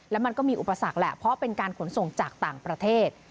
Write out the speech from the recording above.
แล้วมันก็มีอุปสรรคแหละเพราะเป็นการขนส่งจากต่างประเทศ